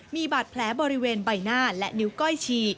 มีบาดแผลบริเวณใบหน้าและนิ้วก้อยฉีก